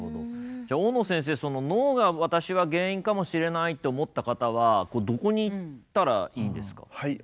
じゃあ大野先生脳が私は原因かもしれないって思った方はどこに行ったらいいんですか？